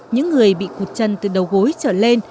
những người bị hụt chân từ đầu gối trở lên